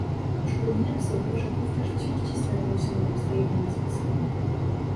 "Przypominam sobie, że wówczas wciąż cisnęło mu się na usta jedno nazwisko."